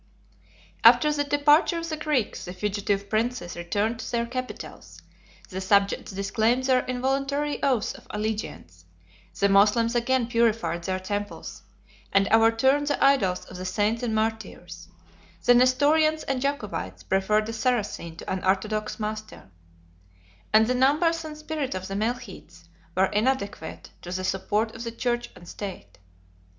After the departure of the Greeks, the fugitive princes returned to their capitals; the subjects disclaimed their involuntary oaths of allegiance; the Moslems again purified their temples, and overturned the idols of the saints and martyrs; the Nestorians and Jacobites preferred a Saracen to an orthodox master; and the numbers and spirit of the Melchites were inadequate to the support of the church and state.